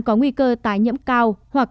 có nguy cơ tái nhiễm cao hoặc